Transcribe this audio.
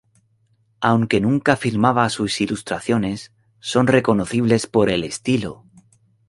Aunque nunca firmaba sus ilustraciones, son reconocibles por el estilo.